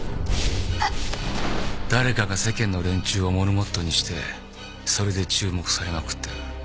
誰かが世間の連中をモルモットにしてそれで注目されまくってる。